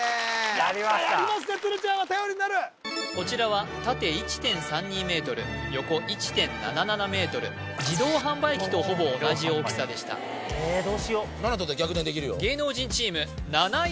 やりました鶴ちゃんは頼りになるこちらは縦１．３２ｍ横１．７７ｍ自動販売機とほぼ同じ大きさでしたえどうしよう７とったら逆転できるよ